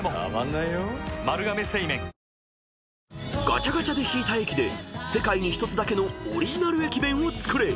［ガチャガチャで引いた駅で世界で一つだけのオリジナル駅弁を作れ！